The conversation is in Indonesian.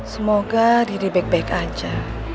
semoga diri baik baik aja